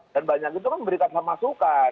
dan banyak itu kan memberikan pemasukan